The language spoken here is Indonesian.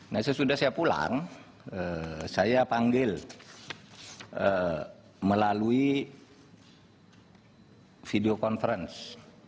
saya sudah pulang saya panggil melalui video conference